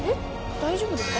大丈夫ですか？